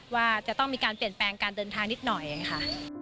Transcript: ว่าจะต้องมีการเปลี่ยนแปลงการเดินทางนิดหน่อยค่ะ